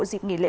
dịp nghỉ lễ